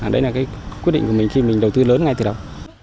đấy là cái quyết định của mình khi mình đầu tư lớn ngay từ đầu